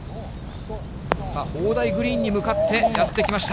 砲台グリーンに向かってやってきました。